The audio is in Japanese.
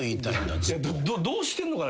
どうしてんのかな？